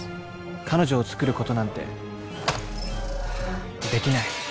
彼女を作ることなんてできない。